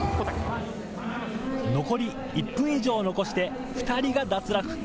残り１分以上を残して２人が脱落。